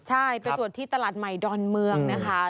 ใช่ไปสวดที่ตลาดใหม่ดอนเมืองนะคะ